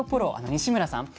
西村さん